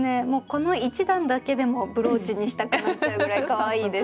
この１段だけでもブローチにしたくなっちゃうぐらいかわいいです。